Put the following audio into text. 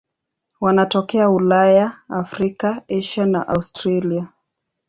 Wanatokea Ulaya, Afrika, Asia na Australia.